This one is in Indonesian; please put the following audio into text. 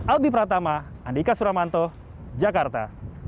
albi pratama andika suramanto jakarta